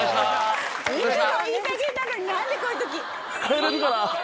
何でこういうとき。